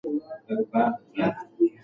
هغوی ته د ګلانو د بویولو اجازه ورکړئ.